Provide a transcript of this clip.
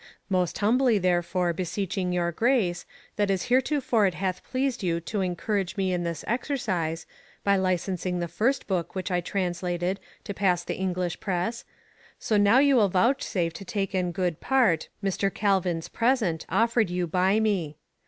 Most humbly ther fore beseeching your Grace, that as heretofore it hath pleased you to incourage me in this excercise, by licensing the first booke which I trans lated to passe the Englishe presse, so now you will vouchsafe to take in good part M. Caluins present, offered you by me.